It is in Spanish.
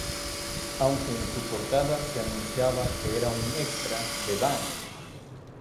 Aunque en su portada se anunciaba que era un extra de Bang!